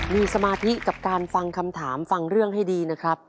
มีสมาธิกับการฟังคำถามฟังเรื่องให้ดีนะครับ